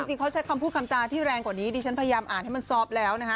จริงเขาใช้คำพูดคำจาที่แรงกว่านี้ดิฉันพยายามอ่านให้มันซอฟต์แล้วนะคะ